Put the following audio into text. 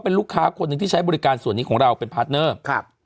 เป็นลูกค้าคนหนึ่งที่ใช้บริการส่วนนี้ของเราเป็นพาร์ทเนอร์ครับ